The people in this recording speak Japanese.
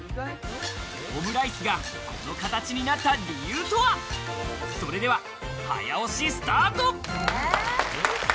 オムライスが、この形になった理由とはそれでは早押しスタート！